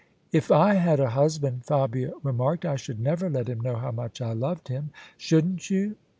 " If I had a husband," Fabia remarked, " I should never let him know how much I loved him." "Shouldn't you?